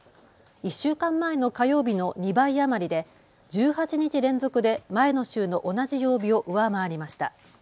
１週間前の火曜日の２倍余りで１８日連続で前の週の同じ曜日を上回りました。